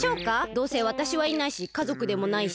どうせわたしはいないしかぞくでもないし。